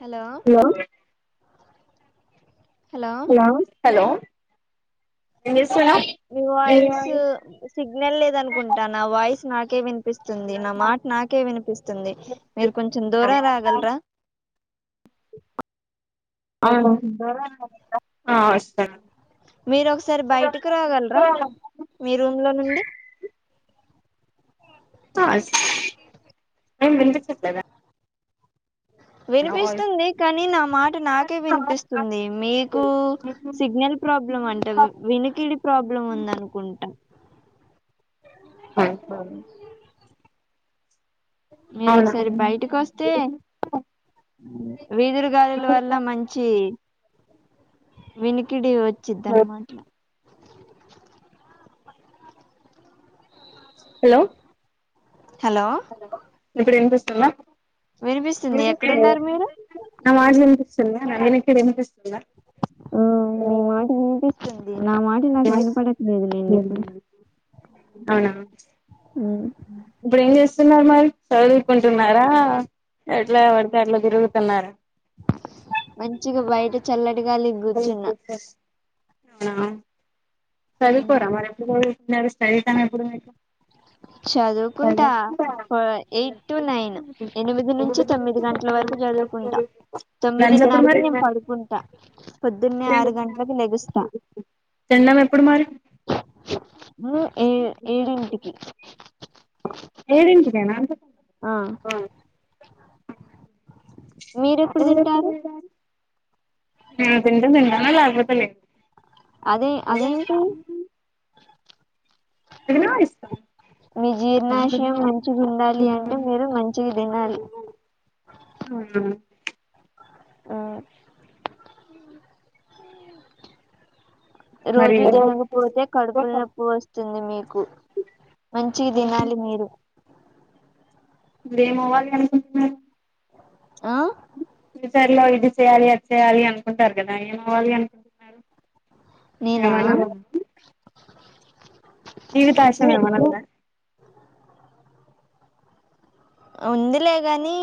Hello లో hello మీ voice signal లేదనుకుంటా నా వాయిస్ నాకే విన్ వినిపిస్తుంది. నా మాట నాకే వినిపిస్తుంది మీరు కొంచెం దూరం రాగల్రా. అవును ఆ వస్తార్ మీరు ఒకసారి బయటకు రాగల్రా మీ రూమ్ లో నుండి ఆహ్ స్ ఏం వినిపించట్లేదా వినిపిస్తుంది కానీ నా మాట నాకే వినిపిస్తుంది. మీకు సిగ్నల్ ప్రాబ్లం అంట, వినికిడి ప్రాబ్లం ఉందనుకుంటా. ఉహ్ హు మీరోకసారి బయటికోస్తే అ వీదురు గాలుల వల్ల మంచి వినికిడి వచ్చిద్దన్నమాట్లా హలో హలో ఇప్పుడు ఇన్పిస్తున్నా నా మాట్లినిపిస్సుందా అ నందిని ఆ నీమాట వినిపిసున్ అవునా ఇప్పుడేం చేస్ చన్నారు మరి చదువుకుంటున్నారా ఎట్లా పడితే అట్లా తిరుగుతున్నారా చల్ల [unintelligible] చదువుకోరా మరెప్పుడు [inaudible] చరితం ఎప్పుడు మీకు చదువుకుంటా ఆ ఎయిట్ టు నైన్, ఎనిమిది నుంచి తొమ్మిది గంటల వరకు చదువుకుంటా, తొమ్మిదిన్నరకి నేను పడుకుంటా. తిన్డం ఎప్పుడు మరి ఏ ఏడింటికి ఏడింటికేనా ఆ మీరెప్పుడు తింటారు నేను తింటే తింటాను లేకపోతే లేదు అదే అదేంటి ఏనోడిస్తా ఆ రోజూ దినకపోతే కడుపుల నొప్పు వస్తుంది మీకు మంచిగ దినాలి మీరు ఇప్పుడేమవ్వాలి అనుకుంటున్నారు ఆ ఫ్యూచర్ లో ఇది చెయ్యాలి అది చెయ్యాలి అనుకుంటారు కదా ఏమవ్వాలి అనుకుంటున్నారు నేనా జీవితాశయం ఏమన్నా ఉందా ఉందిలేగానీ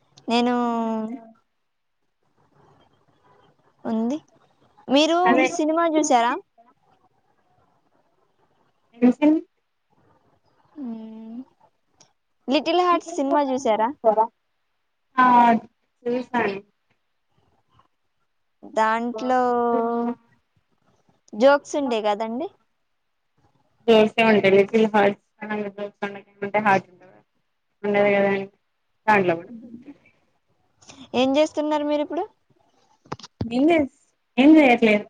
[inaudible] ఉంది మీరూ సినిమా చూసారా ఏం cinema hmm Little Hearts cinema చూసారా ఆ చూసినం దాంట్లో జోక్స్ ఉండే కదండీ జోక్స్ ఏ ఉంటాయి లిటిల్ హాట్స్ అంటే ఆ హాట్ ఉండదు కదా అం దాంట్లో గుడ ఏం చేస్తున్నారు మీరు ఇప్పుడు ఏం లేదు ఏం చేయట్లేదు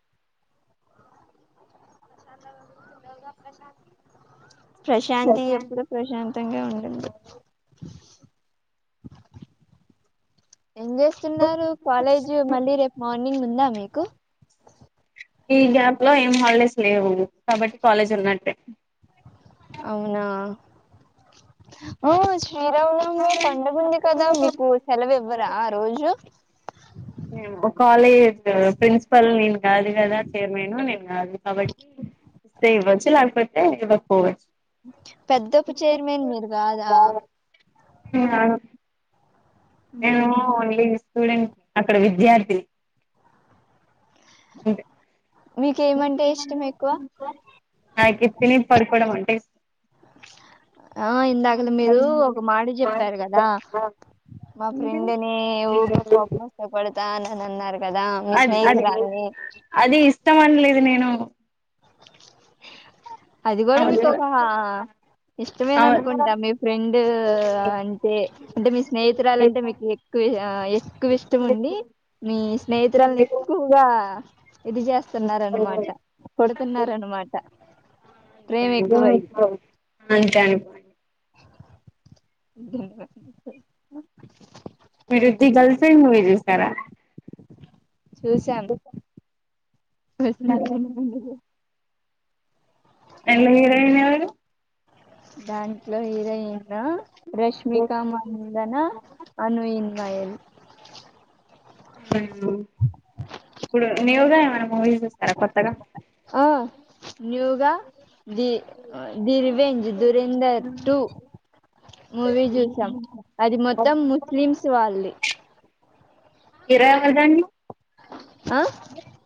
ప్రశాంతం గా ఉండవుగా ప్రశాంతి ప్రశాంతి ఎప్పుడు ప్రశాం అతం గా ఉండేది ఏం జేస్తున్నారు కాలేజీ మళ్ళీ రేపు మార్నింగ్ ఉందా మీకు హాలిడేస్ లేవు కాబట్టి కాలేజ్ ఉన్నట్టే అవునా ఆ శ్రీరామనవమి పండుగ ఉంది కదా మీకు సెలవు ఇవ్వరా ఆ రోజు ఎ ఎక్కడో పోవచ్చు పెద్దపు చైర్మన్ మీరు గాదా నేను ఓన్లీస్ చూడెం అక్కడ విద్యార్థి నాకు తిని పడుకోవడం అంటే ఆ ఇందాకలో మీరు ఒక మాట చెప్పారు కదా మా ఫ్రెండ్ నీ ఊక కోపం వస్తే కొడతానని నన్నరుగ అద్ అది ఆది ఇష్టమన్ లేదు నేను అది గూడా మీకు ఒక ఇష్టమేన అనుకుంటా మీ ఫ్రెండ్ అంటే అంటే మీ స్నేహితురాలంటే మీకు ఎక్కువ ఆ ఎక్కువ ఇష్టం ఉండి మీ స్నేహితురాల్ని ఎక్కువగా ఇది చేస్తున్నార అనమాట కొడుతున్నారన్నమాట [inaudible] అంతే అనిపో ధన్వా మీరుద్ధి గర్ల్ ఫ్రండ్ మూవీ చేస్తారా చూసాం పైసలిచ్చన్ నువ్ పన్లో పొ నిన్న హీరోయిన్ ఎవరు దాని ట్లో హీరోయిన్ ఆహ్ రష్మిక మందన అనుయిన్ నయల్ ఇప్పుడు న్యూగ ఏమైనా మూవీస్ జుస్తర కొత్తగ ఆహ్ న్యూగ the the revenge Dhurandhar two movie జుసాం అది మొత్తం ముస్లిమ్స్ వాల్ది హీరో ఎవరండి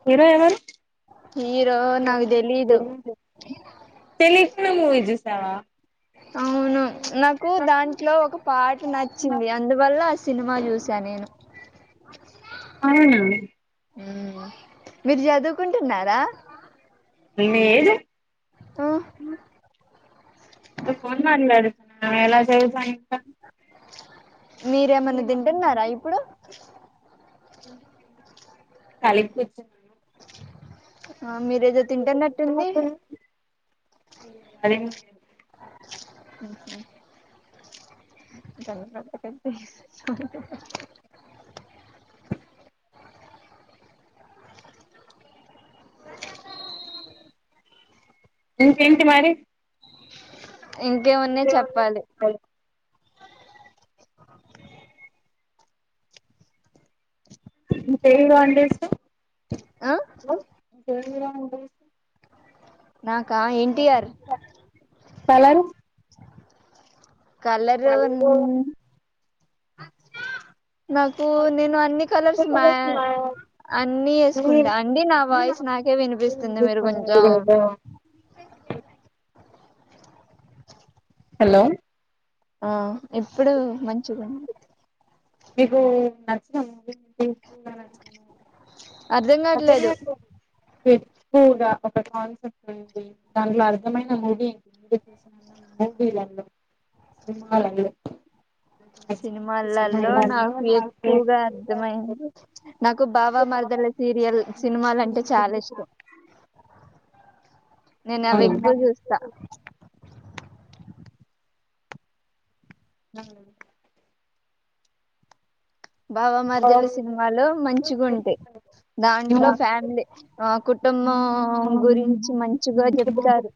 హీరో ఎవరు నాకు దెలిదు తెలి మువీ జూసావా అవును నాకు దాంట్లో ఒక పాట నచ్చింది అందువల్ల ఆ సినిమా జూసా నేను అవునా మ్మ్ మీరు జదు కుంటున్నారా మ నే ఫోన్ మాట్లడుతున్నా ఎలా చదువుతానే అ మీరేమన్నా దింటున్నారా ఇప్పుడు కాలిగా కూర్చున్నాను ఆహ్ మీరు ఏదో తింటన్నట్టుంది నీకు ఎవరంటే ఎక్కువ ఇష్టం ఇంకేంటి మరి ఇంకేం ఉన్నాయ్ చెప్పాలి ఇంకేం కాల్ చేసావ్ అహ్ తెమీరా ఉంటే ఇస్తాం నాకా ఎన్టీఆర్ పలారం కలరూ ఉమ్మ్ నాకు నేను అన్ని కలర్స్ మే అన్ని ఎస్కుంటా అండి నా వాయిస్ నాకే వినిపిస్తుంది మీరు కొంచెం హలో ఆహ్ ఎప్పుడు మంచి గుంది మీకు నచ్చిన మువీ ఉంటే ఇవ్వు నా నచ్చిన మువీ అర్ధం కావట్లేదు ఎక్కువగా ఒక కాన్సెప్ట్ ఉంది దాంట్లో అర్థమైన మూవీ ఇంక ముందు చూస మూవీలలో సినిమాలలో సినిమాలలో నాకు ఎక్కువగా అర్థమయింది నాకు బావ మరదల సీను రియల్ సినిమాల అంటే చాలా ఇష్టం నేను అవి ఎక్కువ చూస్తా ఉ బావా మరదలు సినిమాలు మంచిగా ఉంటాయి దాంట్లో ఫ్యామిలీ ఆ కు కుటుంబం గురించి మంచిగా చెప్తారు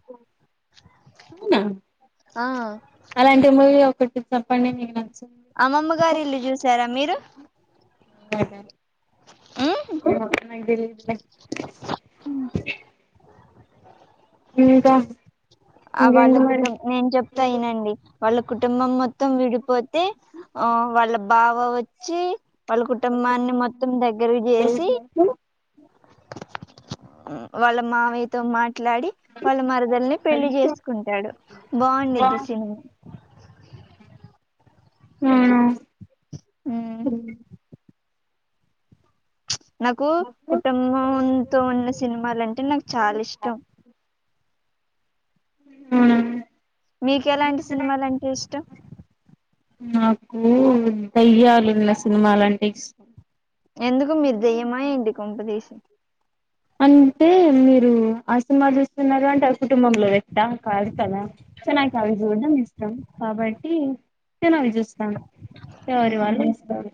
ఆ ఆ అలాంటి మూవీ ఒకటి చెప్పండి మీకు నచ్చి అమ్మమ్మ గారు ఇల్లు చూసారా మీరు అ అద ఏమో నాకు తెలియదులే ఇంకా ఆ వాళ్ళ కుటుంబం నేను చెప్తా వినండి వాళ్ళ కుటుంబం మొత్తం విడిపోతే ఆ వాళ్ళ బావ వచ్చి వాళ్ళ కుటుంబాన్ని మొత్తం దగ్గరకు చేసి వాళ్ళ మావయ్యతో మాట్ మాట్లాడి వాళ్ళ మరదల్ని పెళ్లి చే ఉంటాడు బాగుండుది సినిమా హు హు నాకు కుటుంబంతో ఉన్న సినిమాలంటే నాకు చాలా ఇష్టం హుమ్ మీకు ఎలాంటి సినిమాలు అంటే ఇష్టం నాకు దయ్యాలున్న సినిమాలంటే ఇష్టం ఎందుకు మీరు దెయ్యమా ఏంటి కొంప తీసి అంటే మీరు ఆసినిమా చూస్తున్నారు అంటే ఆ కుటుంబంలో వ్యక్తి కాదు కదా సో నాకు ఆవి చూడడం ఇష్టం కాబట్టి నేను అవి చూస్తాను ఎవరి వాళ్ళు చుస్తారు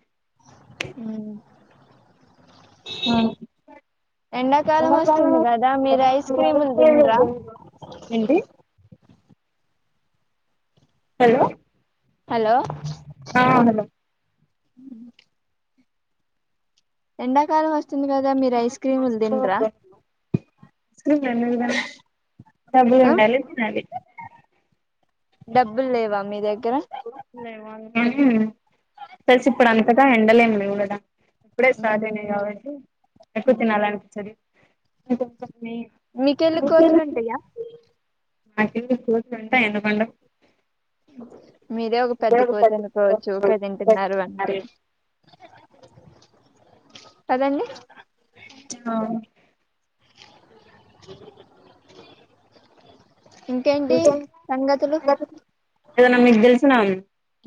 ఎండాకాలం వస్తుంది కదా మీరు ఐస్ క్రీములు తిండ్రా హలో హలో [inaudible] ఎండాకాలం వస్తుంది కదా మీరు ఐస్ క్రీములు తిండ్రా [unintelligible] డబ్బులు ఉండాలి తినాలి డబ్బులు లేవా మీ దగ్గ లేవా ప్లస్ ఇపుడు అంతగా ఎండలేం లేవు కదా ఇప్పుడే స్టార్ట్ అనాయీ కాబట్టి ఎక్కువ తినాలనిపించదు [unintelligible] మీకెళ్ళి కోతులు ఉంటాయా మా కెళ్ళి కోతులు ఉంటాయి ఎందుకు ఉండవు మీరే ఒక పెద్ద కోతి అనుకోవచ్చు కదింటున్నారు అంటే అదండి ఆ [unintelligible] ఏదన్నా మీకు తెలిసినా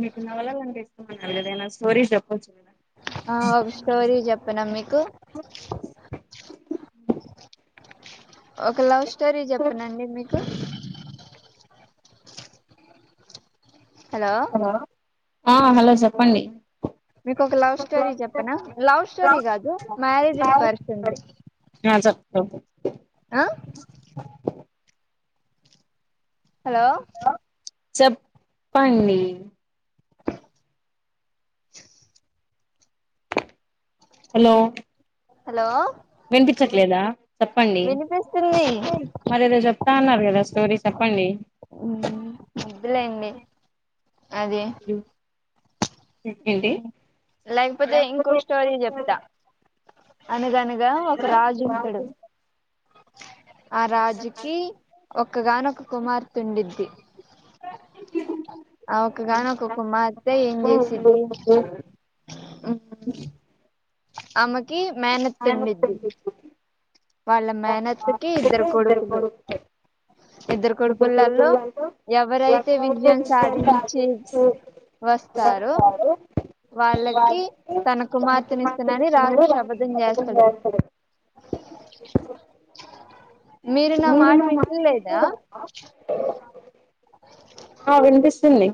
మీకు నవలాలంటే ఇష్టం అన్నారు కదానా స్టోరీస్ చెప్పవచ్చు కదా ఆ ఒక స్టోరీ చెప్పనా మీకు ఒక లవ్ స్టోర్ టోరీ చెప్పనండి మీకు హలో ఆ హలో చెప్పండి మీకు ఒక లవ్ స్టోరీ చెప్పనా లవ్ స్టోరీ కాదు మ్యారేజ్ పర్సన్ది హలో చెప్పండి హలో హలో వినిపించట్లేదా చెప్పండి మర ఏదో చెప్తా అన్నారు కదా స్టోరీ చెప్పండి లేకపోతే ఇంకొక స్టోరీ చెప్తా అనగనగా ఒక రాజు ఉంటాడు ఆ రాజుకి ఒక్కగాన ఒక కుమార్తె ఉండిద్ది ఆ ఒక్కగాన ఒక కుమార్తె ఏం చేసింది ఆమ కి మేనస్ ఉండెద్ది వాళ్ళ మ్యానత్తకి ఇద్దరు కొడుకులు ఇద్దరు కొడుకులల్లో ఎవరైతే విజయం సాధించి వస్తారో వాళ్ళకి తన కుమార్తెనుస్తునని రాజు శపథం చేస్తాడు మీరు నా మాట విన్టు లేదా ఎ